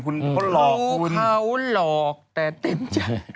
คุณหลอกคุณดูเขาหลอกแต่เต็มใจ